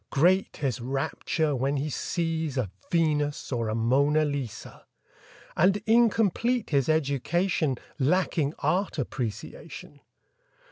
Great his rapture when he sees a Venus or a Mona Lisa; And incomplete his education Lacking Art Appreciation.